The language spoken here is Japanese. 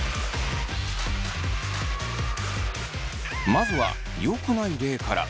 まずはよくない例から。